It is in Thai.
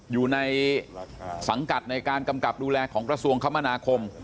อยู่ในสังกัดในการกำกับดูแลของกระทรวงคมนาคม